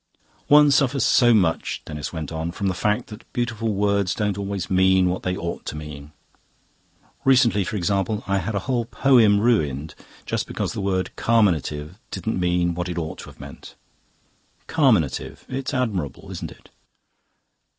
"One suffers so much," Denis went on, "from the fact that beautiful words don't always mean what they ought to mean. Recently, for example, I had a whole poem ruined, just because the word 'carminative' didn't mean what it ought to have meant. Carminative it's admirable, isn't it?"